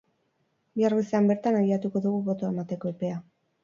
Bihar goizean bertan, abiatuko dugu botoa emateko epea.